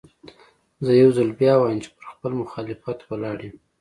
زه يو ځل بيا وايم چې پر خپل مخالفت ولاړ يم.